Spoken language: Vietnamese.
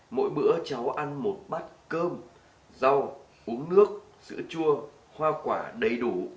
mỗi bữa cháu ăn một bát cơm rau uống nước sữa chua hoa quả đầy đủ